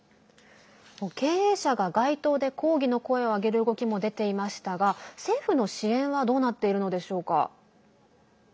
経営者が街頭で抗議の声を上げる動きも出ていましたが政府の支援はどうなっているのでしょうか？